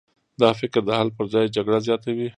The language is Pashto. دا فکر د حل پر ځای جګړه زیاتوي.